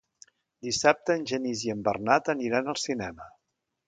Dissabte en Genís i en Bernat aniran al cinema.